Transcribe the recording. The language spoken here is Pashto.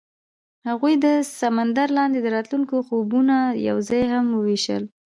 هغوی د سمندر لاندې د راتلونکي خوبونه یوځای هم وویشل.